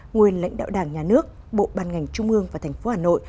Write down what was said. nguyên lãnh đạo đảng nhà nước bộ ban ngành trung ương và thành phố hà nội